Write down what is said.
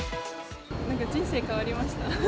なんか人生変わりました。